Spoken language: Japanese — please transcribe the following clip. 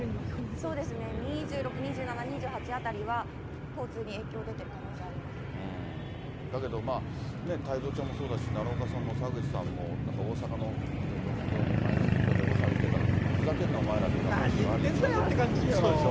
そうですね、２６、２７、２８あたりは、交通に影響出てる可だけど、太蔵ちゃんもそうだし、奈良岡さんも澤口さんもなんか大阪の６度で、マイナスで大騒ぎしてたら、ふざけんなって感じあるでしょ。